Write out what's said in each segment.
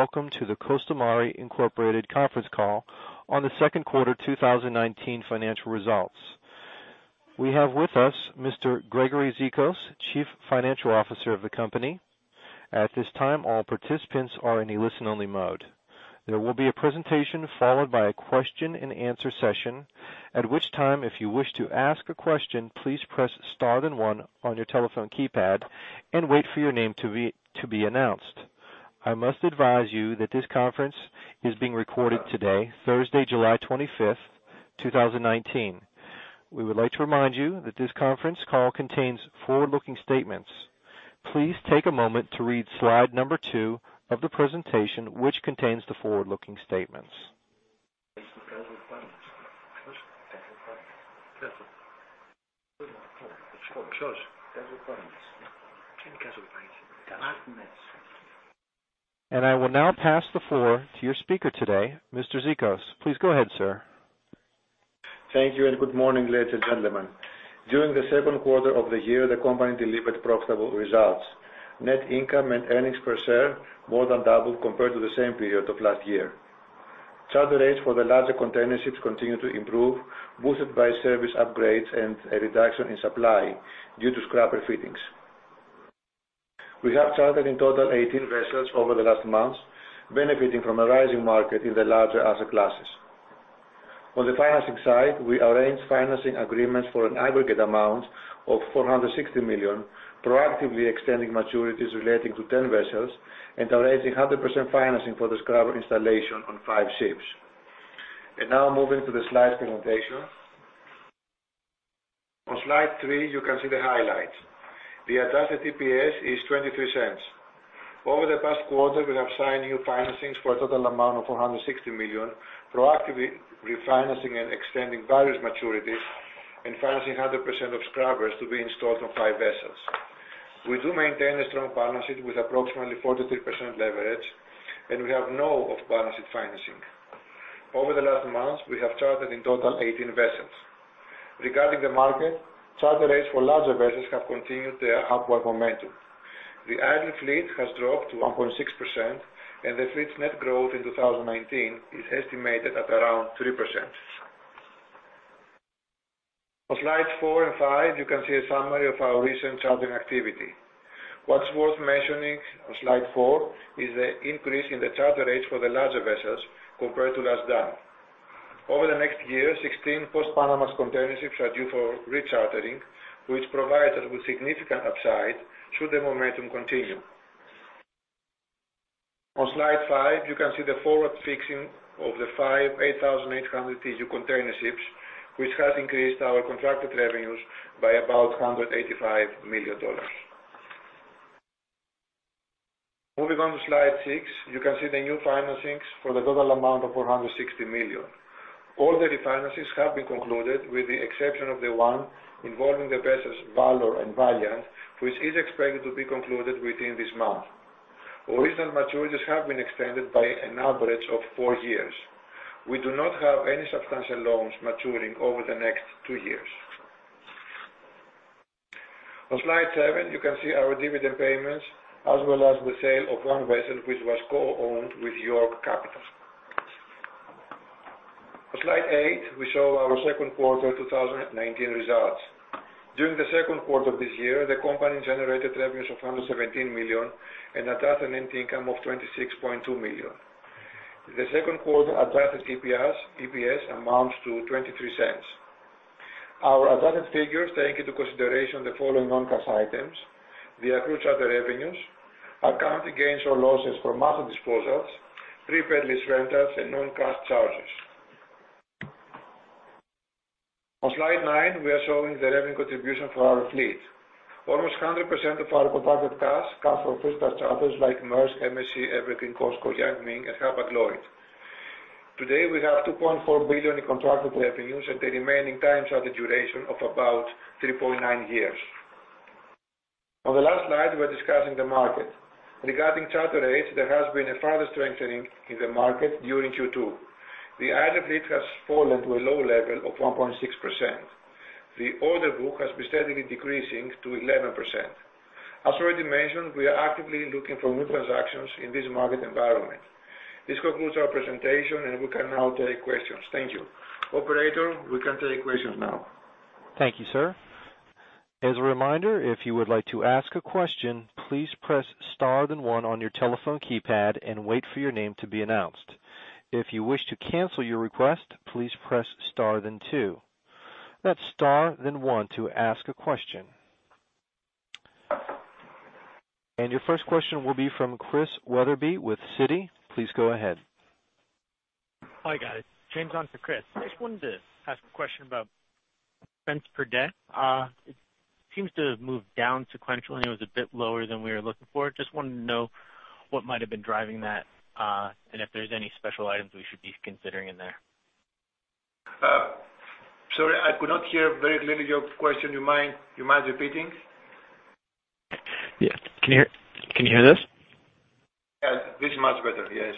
Welcome to the Costamare Incorporated conference call on the second quarter 2019 financial results. We have with us Mr. Gregory Zikos, Chief Financial Officer of the company. At this time, all participants are in a listen-only mode. There will be a presentation followed by a question-and-answer session, at which time, if you wish to ask a question, please press star then one on your telephone keypad and wait for your name to be announced. I must advise you that this conference is being recorded today, Thursday, July 25th, 2019. We would like to remind you that this conference call contains forward-looking statements. Please take a moment to read slide number two of the presentation, which contains the forward-looking statements. I will now pass the floor to your speaker today, Mr. Zikos. Please go ahead, sir. Thank you, good morning, ladies and gentlemen. During the second quarter of the year, the company delivered profitable results. Net income and earnings per share more than doubled compared to the same period of last year. Charter rates for the larger container ships continue to improve, boosted by service upgrades and a reduction in supply due to scrubber fittings. We have chartered in total 18 vessels over the last months, benefiting from a rising market in the larger asset classes. On the financing side, we arranged financing agreements for an aggregate amount of $460 million, proactively extending maturities relating to 10 vessels and arranging 100% financing for the scrubber installation on five ships. Now moving to the slides presentation. On slide three, you can see the highlights. The adjusted EPS is $0.23. Over the past quarter, we have signed new financings for a total amount of $460 million, proactively refinancing and extending various maturities and financing 100% of scrubbers to be installed on five vessels. We do maintain a strong balance sheet with approximately 43% leverage, and we have no off-balance sheet financing. Over the last months, we have chartered in total 18 vessels. Regarding the market, charter rates for larger vessels have continued their upward momentum. The idle fleet has dropped to 1.6%, and the fleet's net growth in 2019 is estimated at around 3%. On slides four and five, you can see a summary of our recent chartering activity. What's worth mentioning on slide four is the increase in the charter rates for the larger vessels compared to last done. Over the next year, 16 post-Panamax container ships are due for rechartering, which provides us with significant upside should the momentum continue. On slide five, you can see the forward fixing of the five 8,800 TEU container ships, which has increased our contracted revenues by about $185 million. Moving on to slide six, you can see the new financings for the total amount of $460 million. All the refinances have been concluded, with the exception of the one involving the vessels Valor and Valiant, which is expected to be concluded within this month. Original maturities have been extended by an average of four years. We do not have any substantial loans maturing over the next two years. On slide seven, you can see our dividend payments as well as the sale of one vessel which was co-owned with York Capital. On slide eight, we show our second quarter 2019 results. During the second quarter of this year, the company generated revenues of $117 million and adjusted net income of $26.2 million. The second quarter adjusted EPS amounts to $0.23. Our adjusted figures take into consideration the following non-cash items: the accrued charter revenues, accounting gains or losses from master disposals, prepaid lease rentals, and non-cash charges. On slide nine, we are showing the revenue contribution for our fleet. Almost 100% of our contracted costs come from first-class charterers like Maersk, MSC, Evergreen, COSCO, Yang Ming, and Hapag-Lloyd. Today, we have $2.4 billion in contracted revenues at the remaining time charter duration of about 3.9 years. On the last slide, we're discussing the market. Regarding charter rates, there has been a further strengthening in the market during Q2. The idle fleet has fallen to a low level of 1.6%. The order book has been steadily decreasing to 11%. As already mentioned, we are actively looking for new transactions in this market environment. This concludes our presentation. We can now take questions. Thank you. Operator, we can take questions now. Thank you, sir. As a reminder, if you would like to ask a question, please press star then one on your telephone keypad and wait for your name to be announced. If you wish to cancel your request, please press star then two. That's star then one to ask a question. Your first question will be from Chris Wetherbee with Citi. Please go ahead. Hi, guys. James on for Chris. Just wanted to ask a question about expense per day. It seems to have moved down sequentially and was a bit lower than we were looking for. Just wanted to know what might have been driving that, and if there's any special items we should be considering in there. Sorry, I could not hear very clearly your question. You mind repeating? Yeah. Can you hear this? Yeah. This is much better. Yes.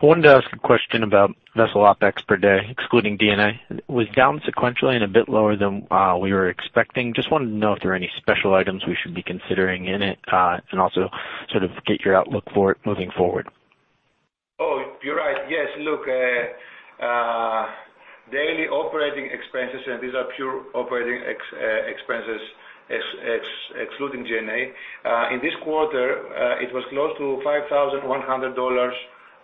I wanted to ask a question about vessel OpEx per day, excluding D&A. It was down sequentially and a bit lower than we were expecting. I just wanted to know if there are any special items we should be considering in it, and also sort of get your outlook for it moving forward. Oh, you're right. Yes. Look, daily operating expenses, these are pure operating expenses excluding D&A. In this quarter, it was close to $5,100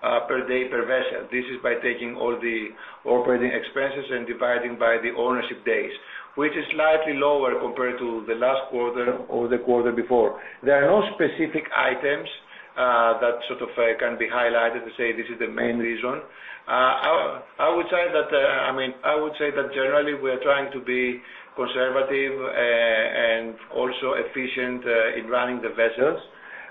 per day per vessel. This is by taking all the operating expenses and dividing by the ownership days, which is slightly lower compared to the last quarter or the quarter before. There are no specific items that sort of can be highlighted to say this is the main reason. I would say that generally, we're trying to be conservative and also efficient in running the vessels.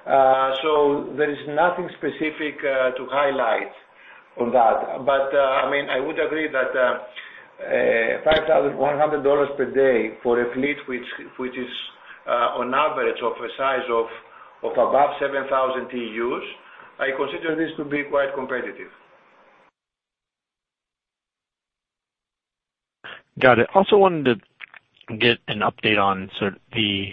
There is nothing specific to highlight on that. I would agree that $5,100 per day for a fleet which is on average of a size of above 7,000 TEUs, I consider this to be quite competitive. Got it. Also wanted to get an update on sort of the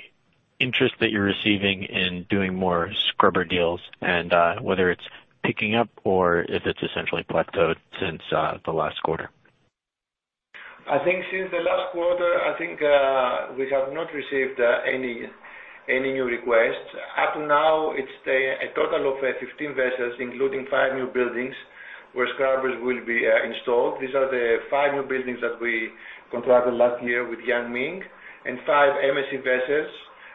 interest that you're receiving in doing more scrubber deals and whether it's picking up or if it's essentially plateaued since the last quarter. I think since the last quarter, I think we have not received any new requests. Up to now, it's a total of 15 vessels, including five new buildings, where scrubbers will be installed. These are the five new buildings that we contracted last year with Yang Ming and five MSC vessels,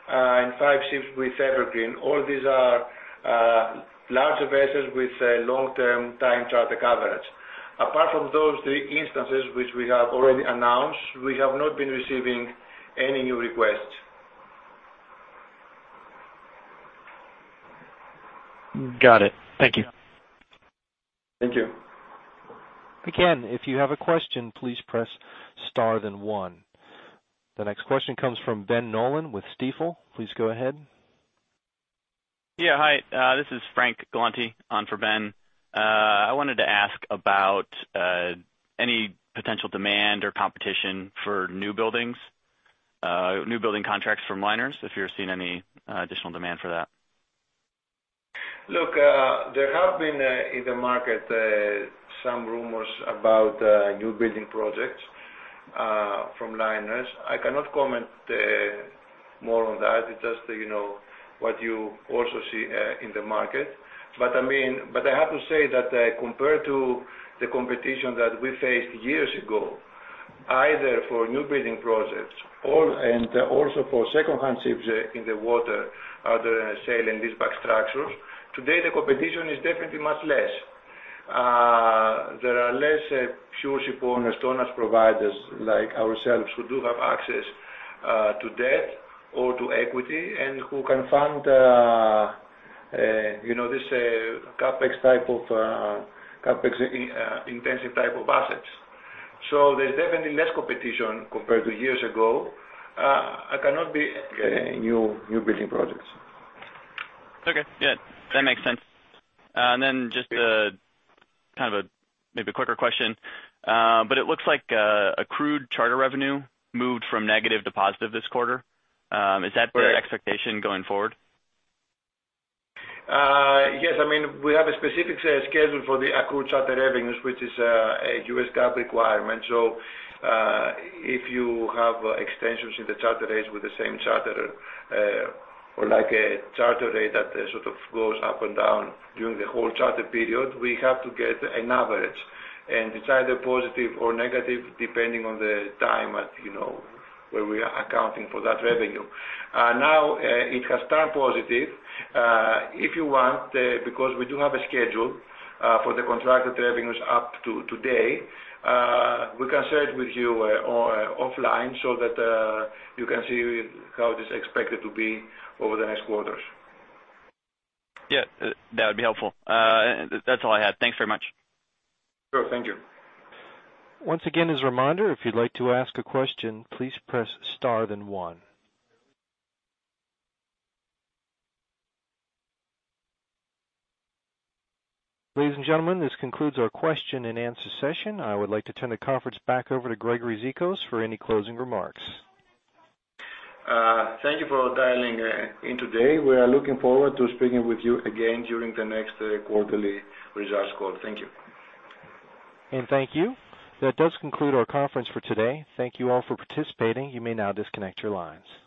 and five ships with Evergreen. All these are larger vessels with long-term time charter coverage. Apart from those three instances which we have already announced, we have not been receiving any new requests. Got it. Thank you. Thank you. Again, if you have a question, please press star then one. The next question comes from Ben Nolan with Stifel. Please go ahead. Yeah. Hi, this is Frank Galanti on for Ben. I wanted to ask about any potential demand or competition for new buildings, new building contracts from liners, if you're seeing any additional demand for that. Look, there have been in the market some rumors about new building projects from liners. I cannot comment more on that. It's just what you also see in the market. I have to say that compared to the competition that we faced years ago, either for new building projects or, and also for second-hand ships in the water, other sale and leaseback structures. Today the competition is definitely much less. There are less pure shipowners, tonnage providers like ourselves who do have access to debt or to equity and who can fund this CapEx intensive type of assets. There's definitely less competition compared to years ago. I cannot be new building projects. Okay, good. That makes sense. Just kind of maybe a quicker question. It looks like accrued charter revenue moved from negative to positive this quarter. Is that the expectation going forward? Yes. We have a specific schedule for the accrued charter revenues, which is a US GAAP requirement. If you have extensions in the charter rates with the same charter or like a charter rate that sort of goes up and down during the whole charter period, we have to get an average and it's either positive or negative depending on the time at where we are accounting for that revenue. It has turned positive. If you want, because we do have a schedule for the contracted revenues up to today, we can share it with you offline so that you can see how this expected to be over the next quarters. Yeah, that would be helpful. That is all I had. Thanks very much. Sure. Thank you. Once again as a reminder, if you'd like to ask a question, please press star then one. Ladies and gentlemen, this concludes our question and answer session. I would like to turn the conference back over to Gregory Zikos for any closing remarks. Thank you for dialing in today. We are looking forward to speaking with you again during the next quarterly results call. Thank you. Thank you. That does conclude our conference for today. Thank you all for participating. You may now disconnect your lines.